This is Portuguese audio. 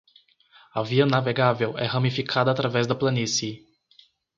A via navegável é ramificada através da planície.